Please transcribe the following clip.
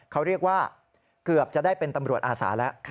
เขาเรียกว่าเกือบจะได้เป็นตำรวจอาสาแล้ว